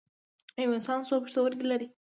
یو انسان څو پښتورګي لري